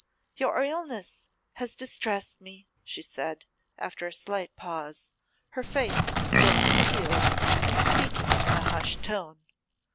'Your illness has distressed me,' she said, after a slight pause, her face still concealed, and speaking in a hushed tone.